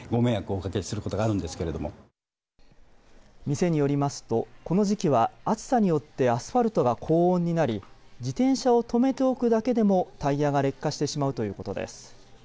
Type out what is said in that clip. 店によりますと、この時期は暑さによってアスファルトが高温になり自転車を止めておくだけでもタイヤが劣化してしまうということです。